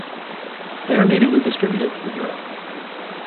They are natively distributed in Europe.